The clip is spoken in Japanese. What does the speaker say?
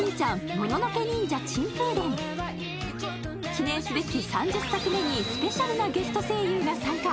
記念すべき３０作目にスペシャルなゲスト声優が参加。